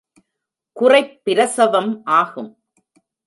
குறைப் பிரசவம் ஆகும்.